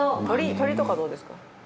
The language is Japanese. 鶏鶏とかどうですか？